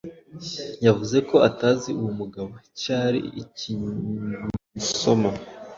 Yavuze ko atazi uwo mugabo, cyari ikinysssoma.